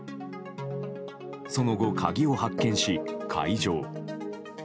その後、鍵を発見し解錠。